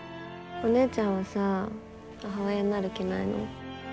お姉ちゃんはさ母親になる気ないの？